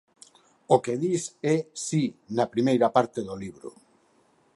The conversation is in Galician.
O que dis é, si, na primeira parte do libro.